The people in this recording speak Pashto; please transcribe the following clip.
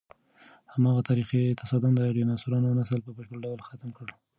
هماغه تاریخي تصادم د ډیناسورانو نسل په بشپړ ډول ختم کړ.